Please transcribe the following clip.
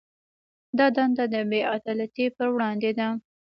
دا دنده د بې عدالتۍ پر وړاندې ده.